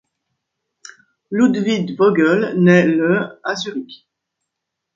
Ludwig Vogel naît le à Zurich.